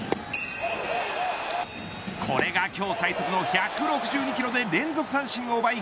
これが今日最速の１６２キロで連続三振を奪い